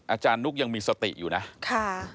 อาจารย์นุ๊กยังมีสติอยู่นะค่ะ